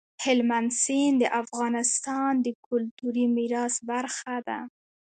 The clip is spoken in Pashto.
هلمند سیند د افغانستان د کلتوري میراث برخه ده.